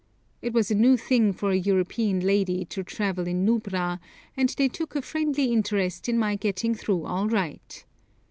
It was a new thing for a European lady to travel in Nubra, and they took a friendly interest in my getting through all right.